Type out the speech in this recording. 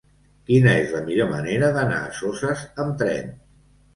Quina és la millor manera d'anar a Soses amb tren?